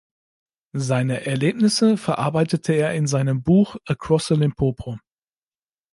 Seine Erlebnisse verarbeitete er in seinem Buch "Across the Limpopo".